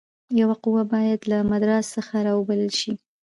یوه قوه باید له مدراس څخه را وبلل شي.